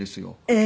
ええ。